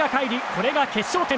これが決勝点。